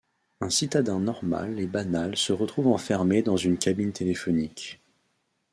Un citadin normal et banal se retrouve enfermé dans une cabine téléphonique.